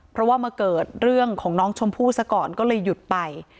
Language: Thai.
เพราะว่ามาเกิดเรื่องของน้องชมพู่ซะก่อนก็เลยหยุดไป